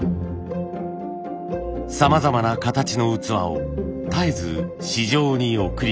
さまざまな形の器を絶えず市場に送り出す。